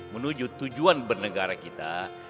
menuju tujuan bernegara kita